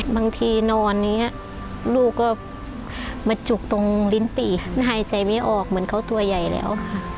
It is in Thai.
นอนอย่างนี้ลูกก็มาจุกตรงลิ้นปี่หายใจไม่ออกเหมือนเขาตัวใหญ่แล้วค่ะ